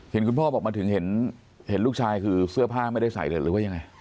คุณพ่อบอกมาถึงเห็นลูกชายคือเสื้อผ้าไม่ได้ใส่เลยหรือว่ายังไง